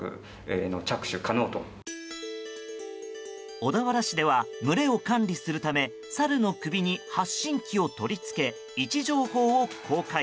小田原市では群れを管理するためサルの首に発信機を取り付け位置情報を公開。